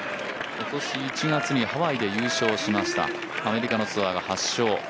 今年１月にハワイで優勝しましたアメリカのツアーが８勝。